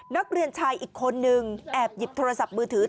นักเรียนชายอีกคนนึงแอบหยิบโทรศัพท์มือถือ